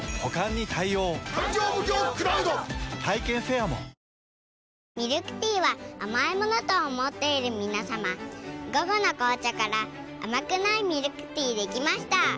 あした３６度予想が福井、新津、豊岡、ミルクティーは甘いものと思っている皆さま「午後の紅茶」から甘くないミルクティーできました。